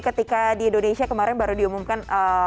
ketika di indonesia kemarin baru diumumkan